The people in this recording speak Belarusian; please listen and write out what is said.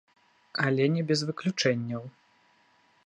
Але не без выключэнняў.